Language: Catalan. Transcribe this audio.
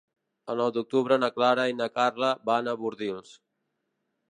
El nou d'octubre na Clara i na Carla van a Bordils.